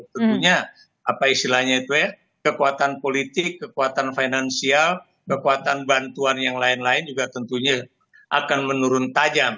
tentunya apa istilahnya itu ya kekuatan politik kekuatan finansial kekuatan bantuan yang lain lain juga tentunya akan menurun tajam